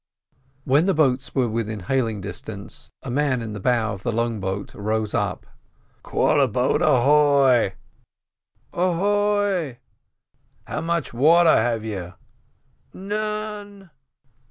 When the boats were within hailing distance, a man in the bow of the long boat rose up. "Quarter boat ahoy!" "Ahoy!" "How much water have you?" "None!"